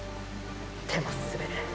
手も滑る。